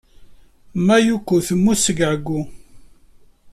Mayuko temmut seg ɛeyyu.